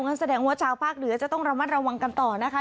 แสดงว่าชาวภาคเหนือจะต้องระมัดระวังกันต่อนะคะ